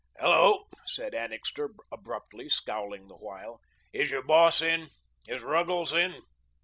"Hello," said Annixter abruptly, scowling the while. "Is your boss in? Is Ruggles in?"